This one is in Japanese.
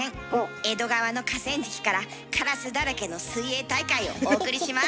江戸川の河川敷からカラスだらけの水泳大会をお送りします。